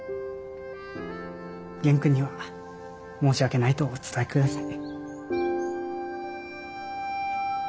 元君には申し訳ないとお伝えください。